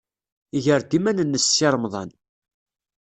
Iger-d iman-nnes Si Remḍan.